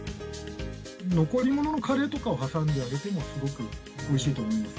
残り物のカレーとかを挟んであげてもすごくおいしいと思います。